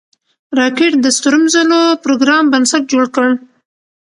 راکټ د ستورمزلو پروګرام بنسټ جوړ کړ